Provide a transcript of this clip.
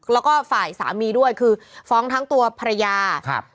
แล้วก็ฝ่ายสามีด้วยคือฟ้องทั้งตัวภรรยาครับ